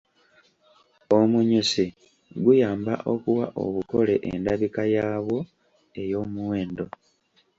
Omunyusi guyamba okuwa obukole endabika yaabwo ey’omuwendo.